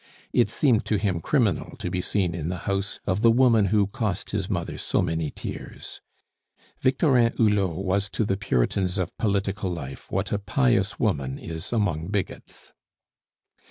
It seemed to him criminal to be seen in the house of the woman who cost his mother so many tears. Victorin Hulot was to the puritans of political life what a pious woman is among bigots.